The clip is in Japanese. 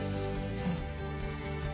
うん。